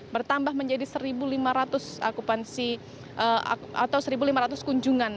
bertambah menjadi satu lima ratus akupansi atau satu lima ratus kunjungan